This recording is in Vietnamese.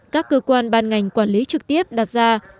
các cơ quan ban ngành quản lý trực tiếp đặt ra